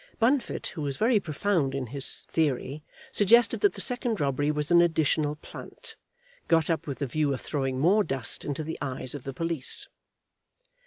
Bunfit, who was very profound in his theory, suggested that the second robbery was an additional plant, got up with the view of throwing more dust into the eyes of the police.